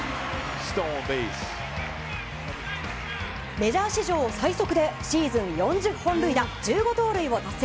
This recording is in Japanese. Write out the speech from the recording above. メジャー史上最速でシーズン４０本塁打１５盗塁を達成。